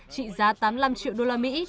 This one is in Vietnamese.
trị giá tám mươi năm triệu usd